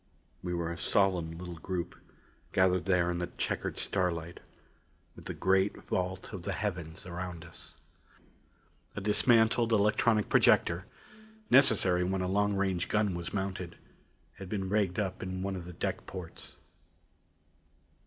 We were a solemn little group, gathered there in the checkered starlight with the great vault of the heavens around us. A dismantled electronic projector necessary when a long range gun was mounted had been rigged up in one of the deck ports.